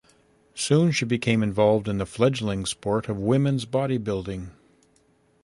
Soon, she became involved in the fledgling sport of women's bodybuilding.